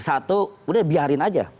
satu udah biarin aja